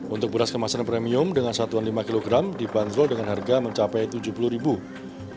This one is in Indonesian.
untuk beras kemasan premium dengan satuan lima kg dibanderol dengan harga mencapai rp tujuh puluh